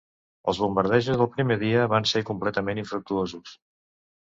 Els bombardejos del primer dia van ser completament infructuosos.